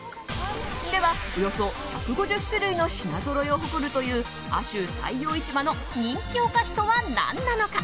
では、およそ１５０種類の品ぞろえを誇るという亜州太陽市場の人気お菓子とは何なのか。